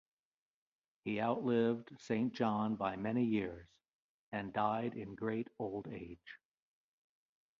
He outlived Saint John by many years and died in great old age.